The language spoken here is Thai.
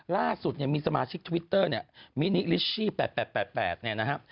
ล่าสุดมีสมาชิกทวิตเตอร์มินิลิชชี่๘๘๘๘นะฮะ